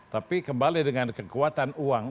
tapi kembali dengan kekuatan uang